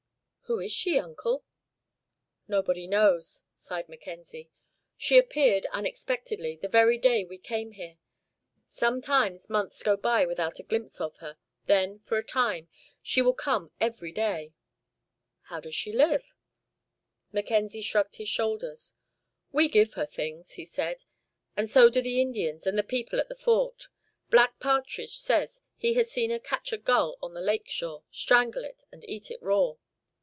"Who is she, Uncle?" "Nobody knows," sighed Mackenzie. "She appeared, unexpectedly, the very day we came here. Sometimes months go by without a glimpse of her, then, for a time, she will come every day." "How does she live?" Mackenzie shrugged his shoulders. "We give her things," he said, "and so do the Indians and the people at the Fort. Black Partridge says he has seen her catch a gull on the lake shore, strangle it, and eat it raw.